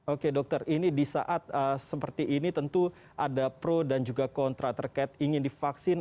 oke dokter ini di saat seperti ini tentu ada pro dan juga kontra terkait ingin divaksin